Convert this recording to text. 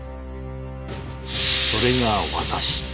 それが私。